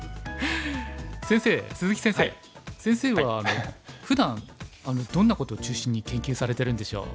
先生はふだんどんなことを中心に研究されてるんでしょう？